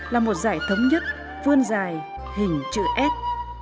là một dải thống nhất vươn dài hình chữ s